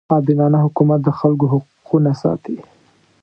عادلانه حکومت د خلکو حقونه ساتي.